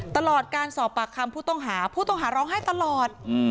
ตลอดการสอบปากคำผู้ต้องหาผู้ต้องหาร้องไห้ตลอด